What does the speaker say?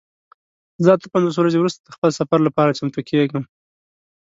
زه اته پنځوس ورځې وروسته د خپل سفر لپاره چمتو کیږم.